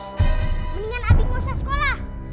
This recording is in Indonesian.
dan mendingan abi gak usah sekolah